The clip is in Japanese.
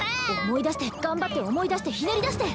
思い出して頑張って思い出してひねり出して！